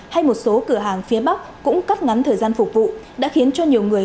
hay một số cửa hàng phía bắc cũng cắt ngắn thời gian phục vụ đã khiến cho nhiều người